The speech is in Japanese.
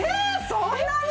そんなに！？